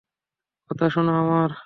কথা শোনো আমার!